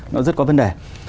nó rất có vấn đề